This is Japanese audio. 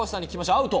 アウト。